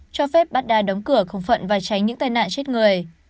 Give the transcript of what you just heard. cho phép baghdad đóng cửa không phận và tránh những tai nạn chết người